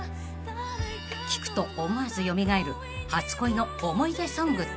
［聴くと思わず蘇る初恋の思い出ソングとは？］